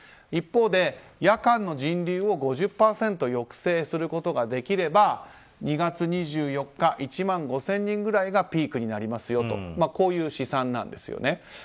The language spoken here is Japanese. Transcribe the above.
一方で夜間の人流を５０％抑制することができれば２月２４日１万５０００人ぐらいがピークになりますという試算です。